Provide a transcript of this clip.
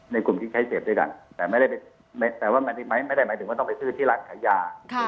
ในกลุ่มที่ใช้เสพด้วยกันแต่ไม่ได้หมายถึงว่าต้องไปซื้อที่ร้านขายยา